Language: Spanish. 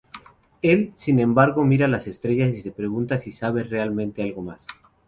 Él, sin embargo, mira las estrellas y se pregunta si sabe realmente algo más.